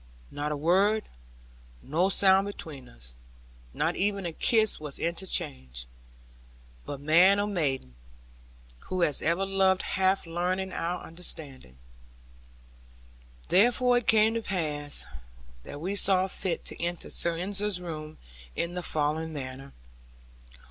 Not a word, nor sound between us; not even a kiss was interchanged; but man, or maid, who has ever loved hath learned our understanding. Therefore it came to pass, that we saw fit to enter Sir Ensor's room in the following manner.